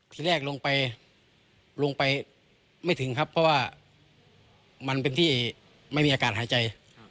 ที่แรกลงไปลงไปไม่ถึงครับเพราะว่ามันเป็นที่ไม่มีอากาศหายใจ